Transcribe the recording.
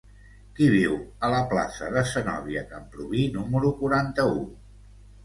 Qui viu a la plaça de Zenòbia Camprubí número quaranta-u?